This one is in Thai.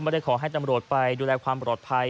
ไม่ได้ขอให้ตำรวจไปดูแลความปลอดภัย